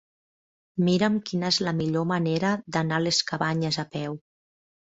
Mira'm quina és la millor manera d'anar a les Cabanyes a peu.